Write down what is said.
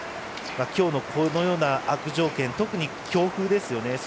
今日の、このような悪条件特に強風ですよね。